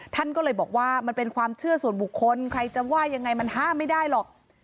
ท่านก็เลยบอกว่ามันเป็นความเชื่อส่วนบุคคลใครจะว่ายังไงมันห้ามไม่ได้หรอก